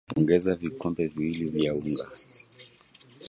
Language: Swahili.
ongeza vikombe viwili vya unga